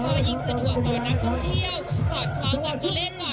เพราะยิ่งสะดวกต่อนักท่องเที่ยวสอดความกับเกาะเลศก่อน